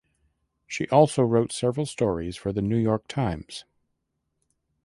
She also wrote several stories for "The New York Times".